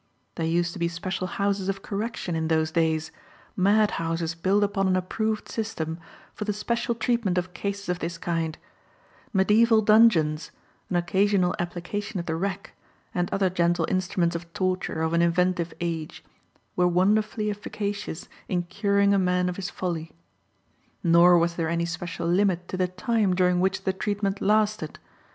There used to be special houses of correction in those days, mad houses built upon an approved system, for the special treatment of cases of this kind; mediaeval dungeons, an occasional application of the rack, and other gentle instruments of torture of an inventive age, were wonderfully efficacious in curing a man of his folly. Nor was there any special limit to the time during which the treatment lasted.